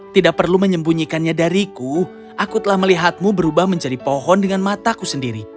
tidak perlu menyembunyikannya dariku aku telah melihatmu berubah menjadi pohon dengan mataku sendiri